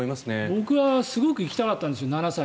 僕はすごく行きたかったんです７歳。